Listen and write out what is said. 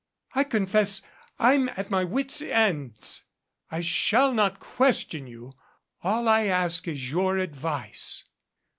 I confess I'm at my wit's ends. I shall not question you. All I ask is your advice."